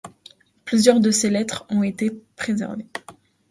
Plusieurs de ses lettres ont été préservés.